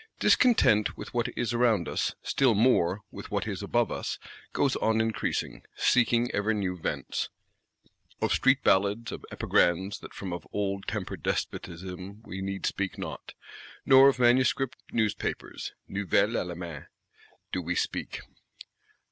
Discontent with what is around us, still more with what is above us, goes on increasing; seeking ever new vents. Of Street Ballads, of Epigrams that from of old tempered Despotism, we need not speak. Nor of Manuscript Newspapers (Nouvelles à la main) do we speak.